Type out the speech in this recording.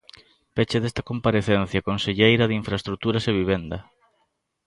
Peche desta comparecencia, conselleira de Infraestruturas e Vivenda.